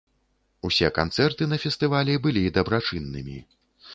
Усе канцэрты на фестывалі былі дабрачыннымі.